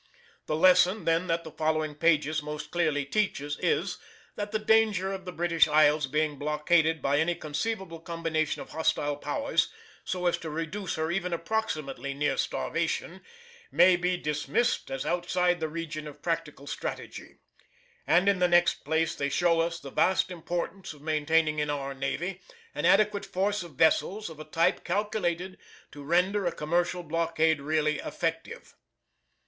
The lesson then that the following pages most clearly teaches is, that the danger of the British Isles being blockaded by any conceivable combination of hostile Powers, so as to reduce her even approximately near starvation, may be dismissed as outside the region of practical strategy; and in the next place they show us the vast importance of maintaining in our navy an adequate force of vessels of a type calculated to render a commercial blockade really effective.